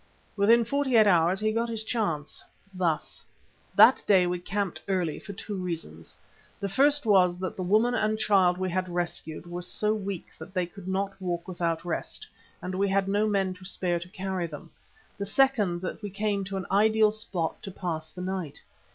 Within forty eight hours he got his chance, thus: That day we camped early for two reasons. The first was that the woman and child we had rescued were so weak they could not walk without rest, and we had no men to spare to carry them; the second that we came to an ideal spot to pass the night.